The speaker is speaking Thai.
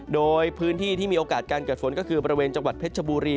โดยพื้นที่ที่มีโอกาสการเกิดฝนก็คือบริเวณจังหวัดเพชรชบุรี